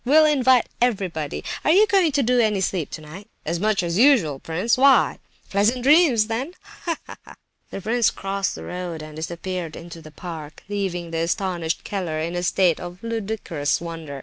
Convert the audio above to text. We'll invite everybody! Are you going to do any sleeping tonight?" "As much as usual, prince—why?" "Pleasant dreams then—ha, ha!" The prince crossed the road, and disappeared into the park, leaving the astonished Keller in a state of ludicrous wonder.